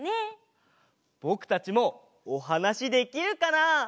ぼくたちもおはなしできるかな？